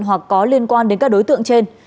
hoặc có liên quan đến các đối tượng trên